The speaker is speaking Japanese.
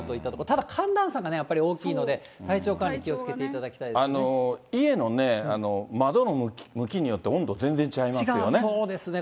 ただ寒暖差がね、やっぱり大きいので、体調管理、気をつけていた家のね、窓の向きによって温そうですね。